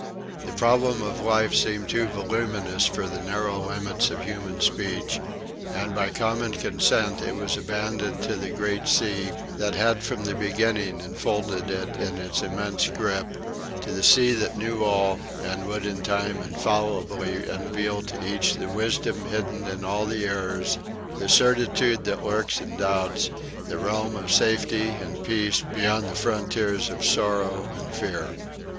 The problem of life seemed too voluminous for the narrow limits of human speech, and by common consent it was abandoned to the great sea that had from the beginning enfolded it in its immense grip; to the sea that knew all, and would in time infallibly unveil to each the wisdom hidden in all the errors, the certitude that lurks in doubts, the realm of safety and peace beyond the frontiers of sorrow and fear.